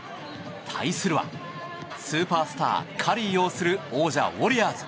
対するは、スーパースターカリーを擁する王者ウォリアーズ。